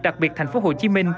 đặc biệt tp hcm